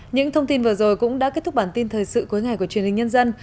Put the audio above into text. những thông tin vừa rồi cũng đã kết thúc bản tin thời sự cuối ngày của truyền hình nhân dân